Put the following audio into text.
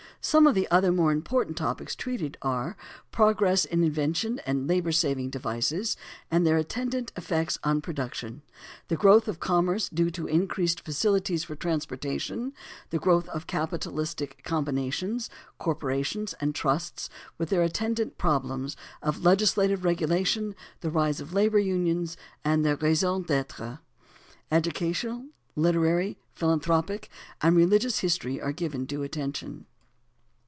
Some of the other more important topics treated are: Progress in invention and labor saving devices, and their attendant effects on production; the growth of commerce due to increased facilities for transportation; the growth of capitalistic combinations, corporations, and trusts, with their attendant problems of legislative regulation; the rise of labor unions and their raison d'etre (Chapters XXVII, XXIX). Educational, literary, philanthropic, and religious history are given due attention.